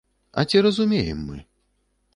А ці разумеем мы?